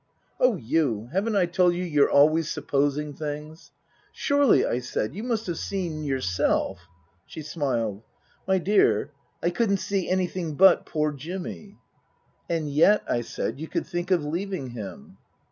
" Oh, you haven't I told you you're always supposing things ?"" Surely ?" I said, " you must have seen yourself " She smiled. " My dear I couldn't see anything but poor Jimmy." " And yet," I said, " you could think of leaving him